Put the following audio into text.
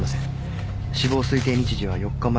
死亡推定日時は４日前の夜。